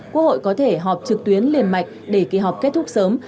quốc hội có thể họp trực tuyến liền mạch để kỳ họp kết thúc sớm